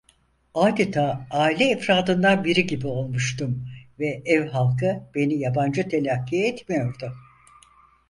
Adeta aile efradından biri gibi olmuştum ve ev halkı beni yabancı telakki etmiyordu.